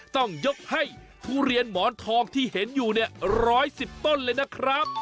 ต้องยกให้ทุเรียนหมอนทองที่เห็นอยู่เนี่ย๑๑๐ต้นเลยนะครับ